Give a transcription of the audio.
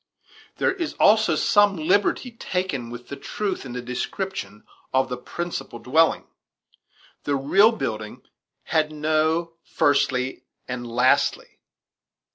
There is also some liberty taken with the truth in the description of the principal dwelling; the real building had no "firstly" and "lastly."